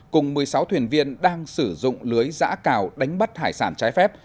cùng một mươi sáu thuyền viên đang sử dụng lưới giã cào đánh bắt hải sản trái phép